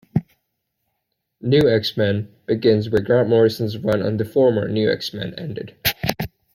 "New X-Men" begins where Grant Morrison's run on the former "New X-Men" ended.